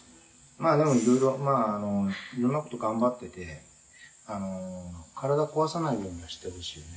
「まあでもいろいろいろんな事頑張ってて体壊さないようにしてほしいね」